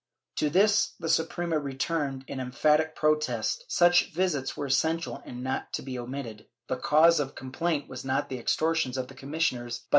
To this the Suprema returned an emphatic protest ; such visits were essential and not to be omitted; the cause of complaint was not the extortions of the commissioners but their ' Archive de Simancas, Inq.